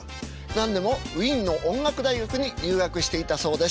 何でもウィーンの音楽大学に留学していたそうです。